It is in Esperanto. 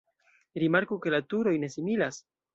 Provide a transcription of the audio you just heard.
Rimarku ke la turoj ne similas.